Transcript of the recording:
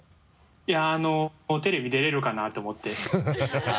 いやテレビ出れるかな？と思ってハハハ